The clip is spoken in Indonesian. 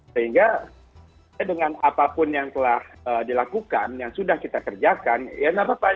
sehingga dengan apapun yang telah dilakukan yang sudah kita kerjakan ya tidak apa apa